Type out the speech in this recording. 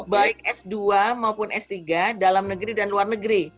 baik s dua maupun s tiga dalam negeri dan luar negeri